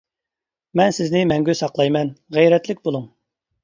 مەن سىزنى مەڭگۈ ساقلايمەن غەيرەتلىك بولۇڭ!